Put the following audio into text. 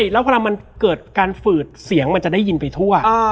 แล้วเวลามันเกิดการฝืดเสียงมันจะได้ยินไปทั่ว